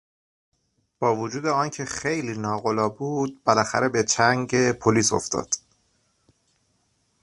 با وجود آن که خیلی ناقلا بود بالاخره به چنگ پلیس افتاد.